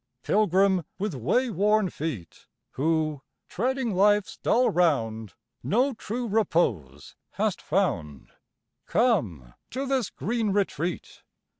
Pilgrim with way worn feet, Who, treading life's dull round, No true repose hast found, Come to this green retreat.